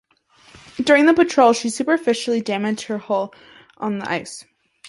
During the patrol she superficially damaged her hull on the ice.